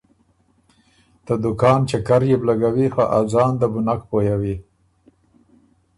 ته دُکان چکر يې بو لګوی خه ا ځان ده بو نک پویَوی۔